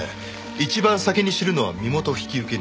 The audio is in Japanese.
一番先に知るのは身元引受人。